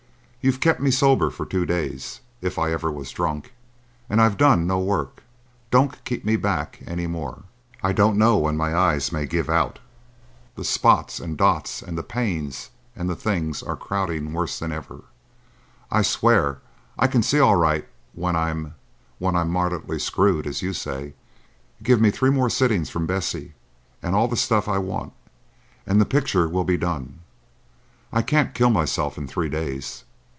You've kept me sober for two days,—if I ever was drunk,—and I've done no work. Don't keep me back any more. I don't know when my eyes may give out. The spots and dots and the pains and things are crowding worse than ever. I swear I can see all right when I'm—when I'm moderately screwed, as you say. Give me three more sittings from Bessie and all—the stuff I want, and the picture will be done. I can't kill myself in three days.